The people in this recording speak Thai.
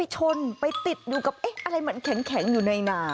ชนไปติดอยู่กับอะไรมันแข็งอยู่ในนา